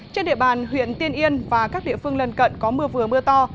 trên địa bàn huyện tiên yên và các địa phương lân cận có mưa vừa mưa to